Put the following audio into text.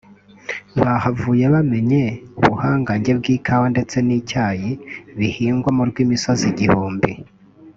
bahavuye bamenye ubuhangange bw’Ikawa ndetse n’Icyayi bihingwa mu rw’imisozi igihumbi